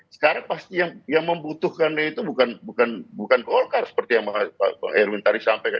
sekarang pasti yang membutuhkannya itu bukan golkar seperti yang pak erwin tadi sampaikan